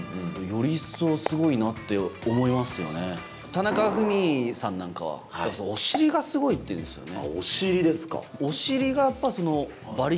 田中フミさんなんかはお尻がすごいって言うんですよね。